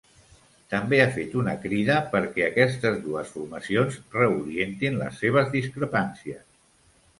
També ha fet una crida perquè aquestes dues formacions reorientin les seves discrepàncies.